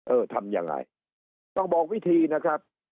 เออทำยังไงต้องบอกวิธีนะครับ